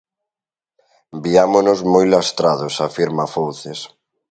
Viámonos moi lastrados, afirma Fouces.